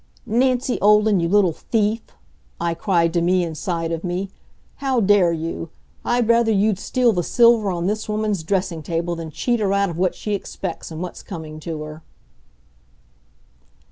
"Nancy Olden, you little thief!" I cried to me inside of me. "How dare you! I'd rather you'd steal the silver on this woman's dressing table than cheat her out of what she expects and what's coming to her."